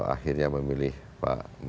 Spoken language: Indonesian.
akhirnya memilih pak